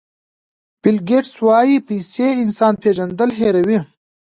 بیل ګېټس وایي پیسې انسان پېژندل هیروي.